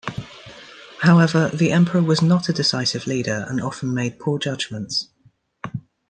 However, the emperor was not a decisive leader and often made poor judgments.